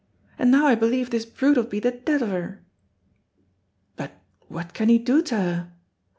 And now I believe this brute'll be the death o' her." "But what can he do to her?"